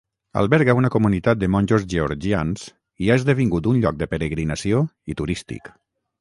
Alberga una comunitat de monjos georgians i ha esdevingut un lloc de peregrinació i turístic.